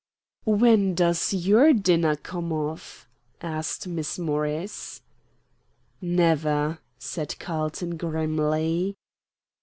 "When does your dinner come off?" asked Miss Morris. "Never," said Carlton, grimly.